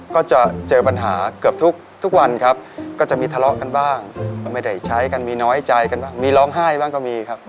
ก็จะเจอปัญหาเกือบทุกวันครับก็จะมีทะเลาะกันบ้างก็ไม่ได้ใช้กันมีน้อยใจกันบ้างมีร้องไห้บ้างก็มีครับ